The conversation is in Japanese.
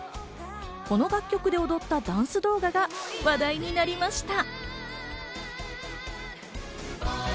この楽曲で踊ったダンス動画が話題になりました。